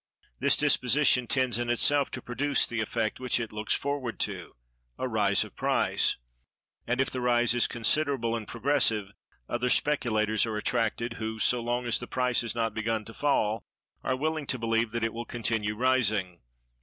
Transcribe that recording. This disposition tends in itself to produce the effect which it looks forward to—a rise of price; and, if the rise is considerable and progressive, other speculators are attracted, who, so long as the price has not begun to fall, are willing to believe that it will continue rising.